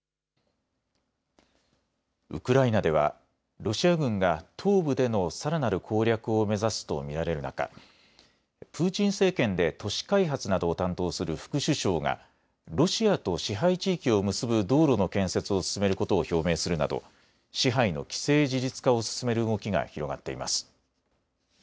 ウクライナではロシア軍が東部でのさらなる攻略を目指すと見られる中、プーチン政権で都市開発などを担当する副首相がロシアと支配地域を結ぶ道路の建設を進めることを表明するなど支配の既成事実化を進める動きが広がっています。